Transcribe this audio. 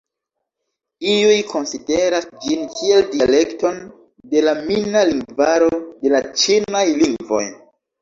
Iuj konsideras ĝin kiel dialekton de la mina lingvaro de la ĉinaj lingvoj.